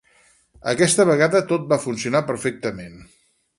Aquesta vegada tot va funcionar perfectament.